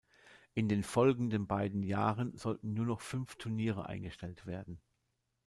In den folgenden beiden Jahren sollten nur noch fünf Turniere eingestellt werden.